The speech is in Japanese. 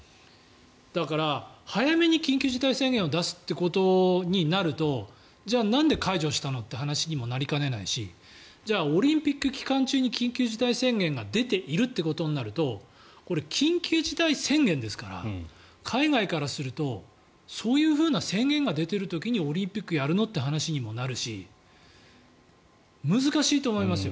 だから、早めに緊急事態宣言を出すということになるとじゃあ、なんで解除したのという話にもなりかねないしじゃあオリンピック期間中に緊急事態宣言が出ているとなるとこれ、緊急事態宣言ですから海外からするとそういう宣言が出ている時にオリンピックやるの？という話にもなるし難しいと思いますよ。